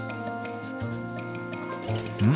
うん？